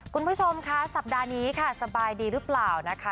คุณผู้ชมค่ะสัปดาห์นี้ค่ะสบายดีหรือเปล่านะคะ